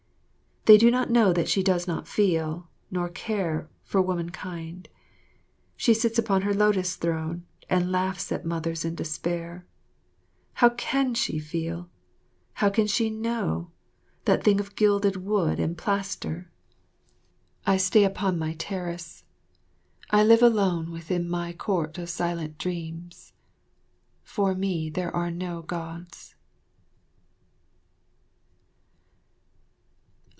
They do not know that she does not feel, nor care, for womankind. She sits upon her lotus throne and laughs at mothers in despair. How can she feel, how can she know, that thing of gilded wood and plaster? I stay upon my terrace, I live alone within my court of silent dreams. For me there are no Gods.